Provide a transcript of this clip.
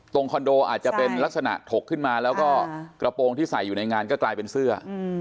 คอนโดอาจจะเป็นลักษณะถกขึ้นมาแล้วก็กระโปรงที่ใส่อยู่ในงานก็กลายเป็นเสื้อ